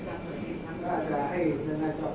แต่ว่าไม่มีปรากฏว่าถ้าเกิดคนให้ยาที่๓๑